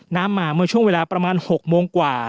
น้ำมาเมื่อช่วงเวลาประมาณ๖โมงกว่า